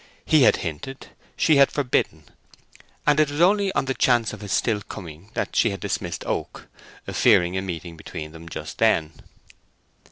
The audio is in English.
He had hinted—she had forbidden; and it was only on the chance of his still coming that she had dismissed Oak, fearing a meeting between them just then.